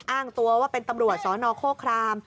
อ้างตัวว่าเป็นตำรวจสนโคคราม